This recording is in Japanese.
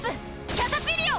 キャタピリオ！